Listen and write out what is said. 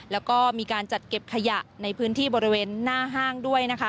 แล้วก็มีการจัดเก็บขยะในพื้นที่บริเวณหน้าห้างด้วยนะคะ